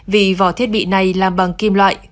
vì vỏ thiết bị này làm bằng kim loại